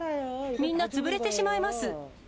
みんな、潰れてしまいます。